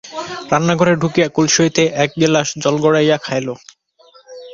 রান্নাঘরে চুকিয়া কলসি হইতে এক গেলাশ জল গড়াইয়া খাইল।